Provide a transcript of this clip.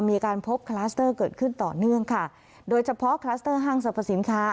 มีการพบคลัสเตอร์เกิดขึ้นต่อเนื่องค่ะโดยเฉพาะคลัสเตอร์ห้างสรรพสินค้า